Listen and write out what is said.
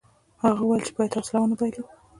هغه وویل چې باید حوصله ونه بایلو.